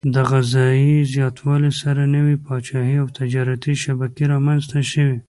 د غذايي زیاتوالي سره نوي پاچاهي او تجارتي شبکې رامنځته شوې.